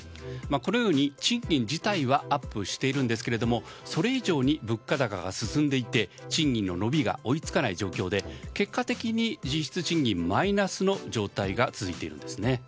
このように賃金自体はアップしているんですけどそれ以上に物価高が進んでいて賃金の伸びが追いつかず結果的に実質賃金はマイナスの状態が続いているんですね。